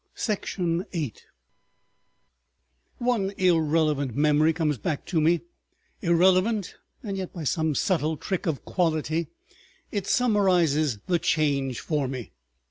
...§ 8 One irrelevant memory comes back to me, irrelevant, and yet by some subtle trick of quality it summarizes the Change for me.